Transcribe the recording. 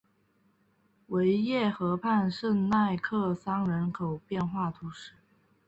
维耶河畔圣迈克桑人口变化图示